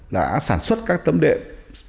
đã sản xuất các tấm đệm